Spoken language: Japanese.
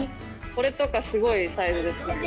これとかすごいサイズで。